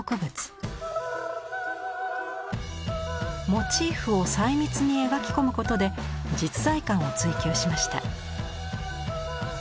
モチーフを細密に描き込むことで実在感を追求しました。